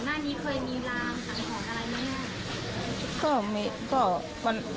อ๋อหน้านี้เคยมีรามของอะไรมั้ย